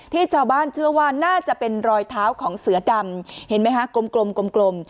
ชาวบ้านเชื่อว่าน่าจะเป็นรอยเท้าของเสือดำเห็นไหมคะกลม